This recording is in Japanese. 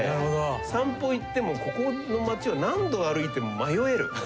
散歩行ってもここの街を何度歩いても迷える。